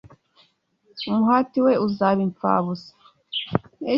umuhati we uzaba imfabusa